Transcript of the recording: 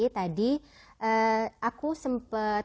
tadi aku sempet